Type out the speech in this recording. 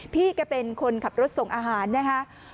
พี่แกเป็นคนขับรถส่งอาหารนะคะ